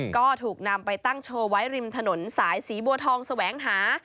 ก็ถูกนำไปตั้งโชว์ไว้ริมถนนสายสีบัวทองแสวงหา